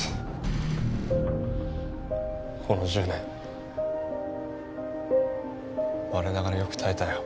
この１０年我ながらよく耐えたよ。